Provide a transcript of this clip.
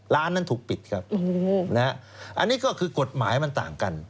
ร้านนั้นถูกปิดครับอันนี้ก็คือกฎหมายมันต่างกัน